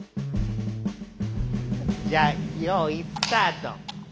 じゃよいスタート！